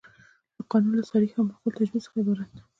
قانون له صریح او معقول تجویز څخه عبارت دی.